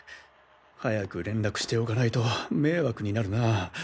早く連絡しておかないと迷惑になるな。